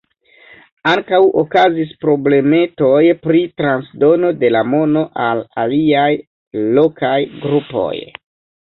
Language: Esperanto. Ankaŭ okazis problemetoj pri transdono de la mono al aliaj lokaj grupoj.